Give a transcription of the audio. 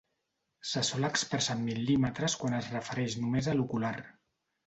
Se sol expressar en mil·límetres quan es refereix només a l'ocular.